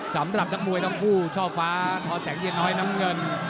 สำหรับนักมวยทั้งคู่ช่อฟ้าทอแสงเย็นน้อยน้ำเงิน